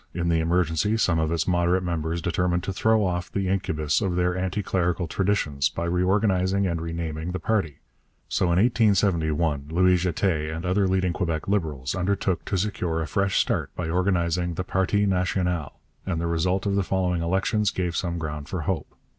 In the emergency some of its moderate members determined to throw off the incubus of their anti clerical traditions by reorganizing and renaming the party. So in 1871 Louis Jetté and other leading Quebec Liberals undertook to secure a fresh start by organizing the Parti National, and the result of the following elections gave some ground for hope.